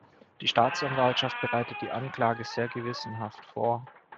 Die Staatsanwaltschaft bereitet die Anklage sehr gewissenhaft vor.